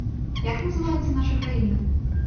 Як называецца наша краіна?